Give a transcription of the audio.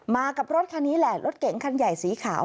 มากับรถคันนี้แหละรถเก๋งคันใหญ่สีขาว